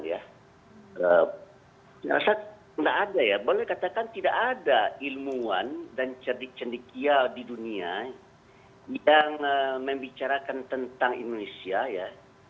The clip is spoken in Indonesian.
saya rasa tidak ada ya boleh dikatakan tidak ada ilmuwan dan cerdik cendikia di dunia yang membicarakan tentang indonesia ya